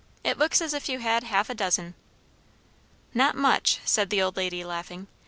It looks as if you had half a dozen." "Not much," said the old lady, laughing.